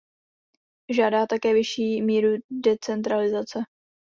Žádá také vyšší míru decentralizace.